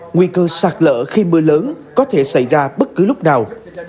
nguy cơ sạt lỡ khi mưa lớn có thể xảy ra bất cứ lúc nào